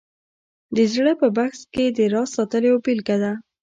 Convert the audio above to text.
د زړه په بکس کې د راز ساتل یوه بېلګه ده